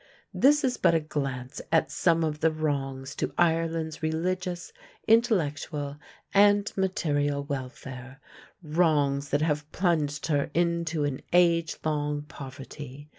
This is but a glance at some of the wrongs to Ireland's religious, intellectual, and material welfare, wrongs that have plunged her into an age long poverty.